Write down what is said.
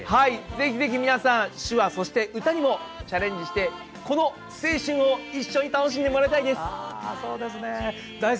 ぜひ皆さん、手話、歌にもチャレンジして、この青春を一緒に楽しんでもらいたいです！